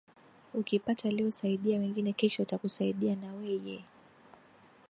Ukipata leo saidia wengine kesho watakusaidia na weye